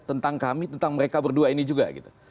tentang kami tentang mereka berdua ini juga gitu